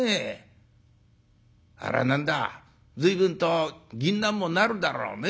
あれは何だ随分と銀杏もなるだろうね。